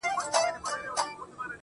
ولي مي هره شېبه، هر ساعت پر اور کړوې.